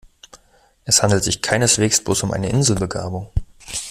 Es handelt sich keineswegs bloß um eine Inselbegabung.